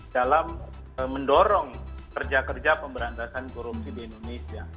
dalam mendorong kerja kerja pemberantasan korupsi di indonesia